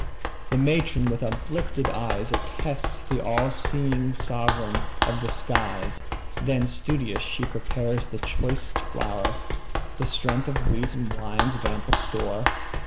The matron with uplifted eyes Attests the all seeing sovereign of the skies. Then studious she prepares the choicest flour, The strength of wheat and wines an ample store.